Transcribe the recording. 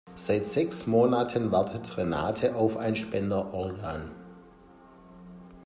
Seit sechs Monaten wartet Renate auf ein Spenderorgan.